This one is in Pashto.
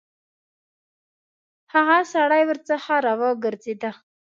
هغه سړی ورڅخه راوګرځېد.